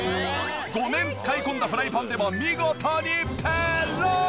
５年使い込んだフライパンでも見事にペロン！